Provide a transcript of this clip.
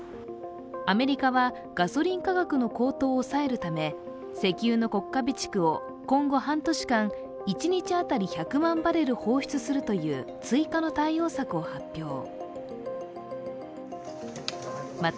アメリカはガソリン価格の高騰を抑えるため石油の国家備蓄を今後半年間、一日当たり１００万バレル放出するという追加の対応策を発表。